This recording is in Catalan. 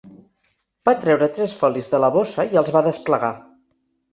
Va treure tres folis de la bossa i els va desplegar.